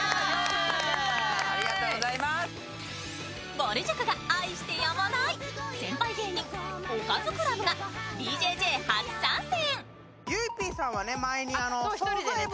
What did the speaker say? ぼる塾が愛してやまない、先輩芸人・おかずクラブがＢＪＪ初参戦。